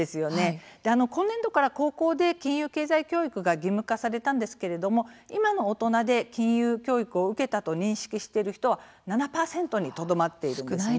今年度から高校で金融経済教育が義務化されたんですけれども今の大人で金融教育を受けたと認識している人は７％にとどまっているんですね。